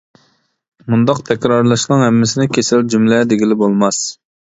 مۇنداق تەكرارلاشنىڭ ھەممىسىنى كېسەل جۈملە دېگىلىمۇ بولماس.